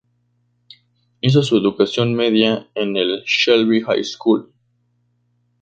Hizo su educación media en el "Shelby High School".